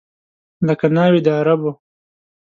لکه ناوې د عربو